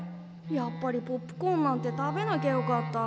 やっぱりポップコーンなんて食べなきゃよかった。